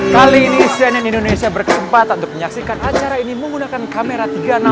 kali ini cnn indonesia berkesempatan untuk menyaksikan acara ini menggunakan kamera tiga ratus enam puluh